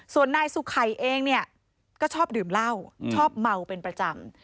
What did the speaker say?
ส่วนนายสุขัยเองเนี่ยก็ชอบดื่มเหล้าชอบเมาเป็นประจำ